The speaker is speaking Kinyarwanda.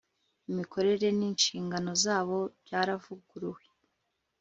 imikorere n'inshingano zabo byaravuguruwe